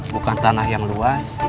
bukan tanah yang luas